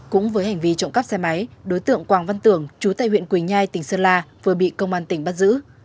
cũng với hành vi trộm cắp xe máy đối tượng quảng văn tưởng chú tại huyện quỳnh nhai tỉnh sơn la vừa bị công an tỉnh bắt giữ